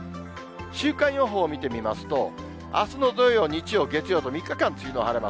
週間予報を見てみますと、あすの土曜、日曜、月曜と、３日間、梅雨の晴れ間。